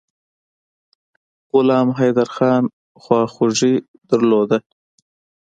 غلام حیدرخان خواخوږي درلوده.